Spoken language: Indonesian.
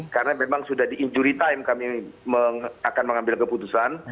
karena memang sudah di injury time kami akan mengambil keputusan